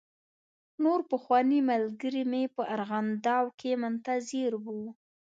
نور پخواني ملګري مې په ارغنداو کې منتظر و.